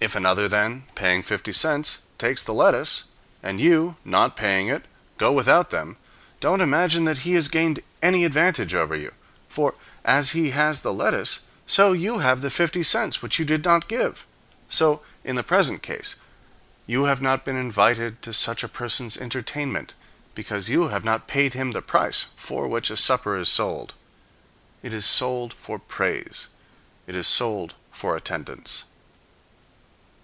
If another, then, paying fifty cents, takes the lettuce, and you, not paying it, go without them, don't imagine that he has gained any advantage over you. For as he has the lettuce, so you have the fifty cents which you did not give. So, in the present case, you have not been invited to such a person's entertainment, because you have not paid him the price for which a supper is sold. It is sold for praise; it is sold for attendance.